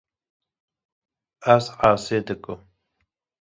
Ez asê dikim.